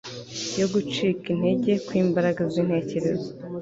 yo gucika intege kwimbaraga zintekerezo